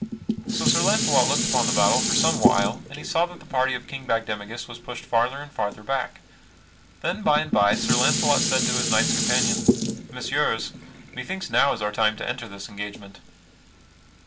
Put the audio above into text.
So Sir Launcelot looked upon the battle for some while and he saw that the party of King Bagdemagus was pushed farther and farther back. Then by and by Sir Launcelot said to his knights companion: "Messires, methinks now is our time to enter this engagement."